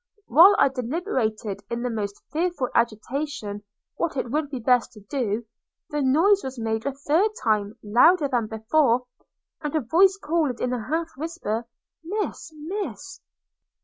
While I deliberated in the most fearful agitation what it would be best to do, the noise was made a third time, louder than before; and a voice called, in a half whisper, Miss! Miss!